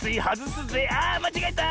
あまちがえた！